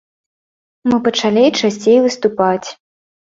Мы пачалі часцей выступаць.